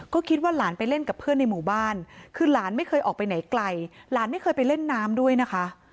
ก็คิดว่าหลานไปเล่นกับเพื่อนในหมู่บ้านคือหลานไม่เคยออกไปไหนไกลหลานไม่เคยไปเล่นน้ำด้วยนะคะ